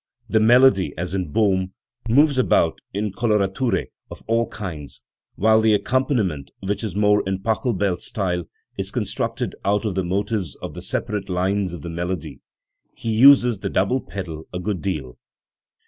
The melody, as in Bohm, moves about in color ature of all kinds, while the accompaniment, which is more in PachelbeFs style, is constructed out of the motives of the separate lines of the melody. He uses the double pedal a good deal.